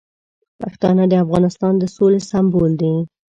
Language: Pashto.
پښتانه د افغانستان د سولې سمبول دي.